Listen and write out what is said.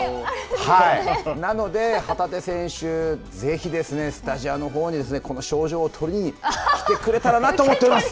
なので、旗手選手、ぜひスタジオのほうにこの賞状を取りに来てくれたらなと思っています。